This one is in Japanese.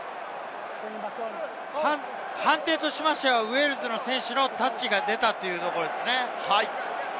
判定としましては、ウェールズの選手のタッチが出たということですね。